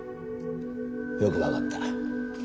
よくわかった。